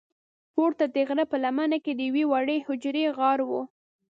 پورته د غره په لمنه کې د یوې وړې حجرې غار و.